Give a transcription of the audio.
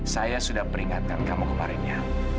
saya sudah peringatkan kamu kemarinnya